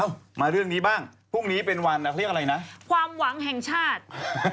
อ้าวมาเรื่องนี้บ้างพรุ่งนี้เป็นวันความหวังแห่งชาติ